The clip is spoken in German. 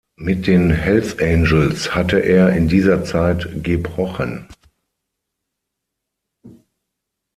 Mit den Hells Angels hatte er in dieser Zeit gebrochen.